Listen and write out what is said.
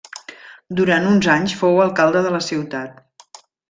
Durant uns anys fou alcalde de la ciutat.